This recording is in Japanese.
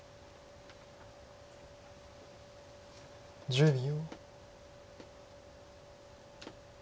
１０秒。